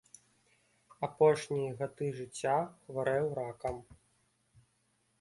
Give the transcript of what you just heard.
Апошнія гады жыцця хварэў ракам.